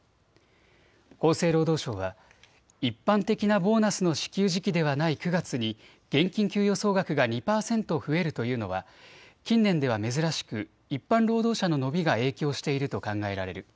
厚生労働省は一般的なボーナスの支給時期ではない９月に現金給与総額が２％増えるというのは近年では珍しく一般労働者の伸びが影響していると考えられる。